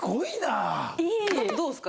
どうですか？